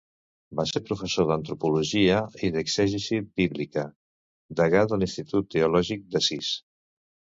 Va ser professor d'antropologia i d'exegesi bíblica; degà de l'Institut Teològic d'Assís.